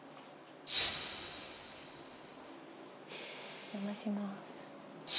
お邪魔します。